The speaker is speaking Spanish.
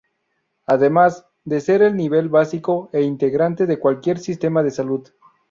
Además, de ser el nivel básico e integrante de cualquier sistema de salud.